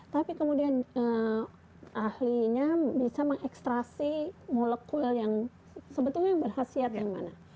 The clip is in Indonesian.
tapi kemudian ahlinya bisa mengekstrasi molekul yang sebetulnya yang berhasil yang mana